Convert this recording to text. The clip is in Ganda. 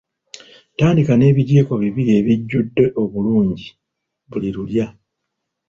Tandika n'ebijiiko bibiri ebijjudde obulungi buli lulya.